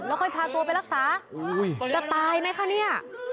ค่อยพาตัวไปรักษาจะตายไหมคะเนี่ย